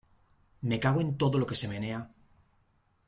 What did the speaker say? ¡Me cago en todo lo que se menea!